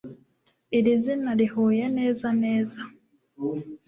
Iri zina rihuye neza neza